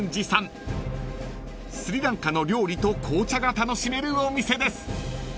［スリランカの料理と紅茶が楽しめるお店です］